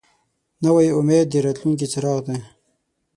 نوی امید د راتلونکي څراغ دی